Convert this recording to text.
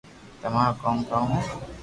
تمارو ڪوم ڪاؤ ھي